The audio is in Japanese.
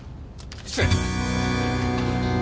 失礼。